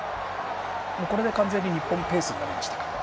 これで完全に日本ペースになりましたか。